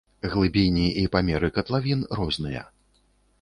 Глыбіні і памеры катлавін розныя.